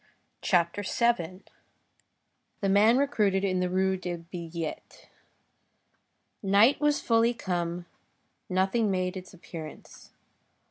CHAPTER VII—THE MAN RECRUITED IN THE RUE DES BILLETTES Night was fully come, nothing made its appearance.